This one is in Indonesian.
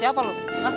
eh siapa lu